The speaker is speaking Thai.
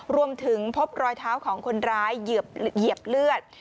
รวมถึงพบรอยเท้าของคนร้ายเหยียบเลือด